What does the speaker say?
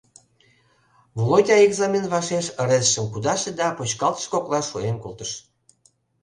Володя экзамен вашеш ыресшым кудаше да почкалтыш коклаш шуэн колтыш.